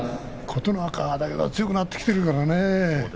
琴ノ若はだけど強くなってきているからね